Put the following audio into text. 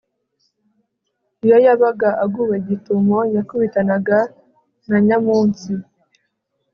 iyo yabaga aguwe gitumo, yakubitanaga na nyamunsi